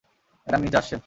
Madam নিচে আসছেন।